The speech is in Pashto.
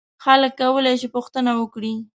خلک کولای شي پوښتنه وکړي.